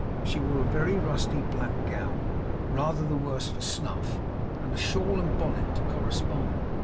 She wore a very rusty black gown, rather the worse for snuff, and a shawl and bonnet to correspond.